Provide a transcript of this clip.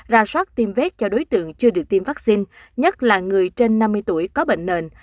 ra soát tiêm vét cho đối tượng chưa được tiêm vaccine nhất là người trên năm mươi tuổi có bệnh nền